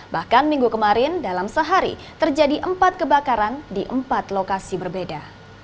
bahkan minggu kemarin dalam sehari terjadi empat kebakaran di empat lokasi berbeda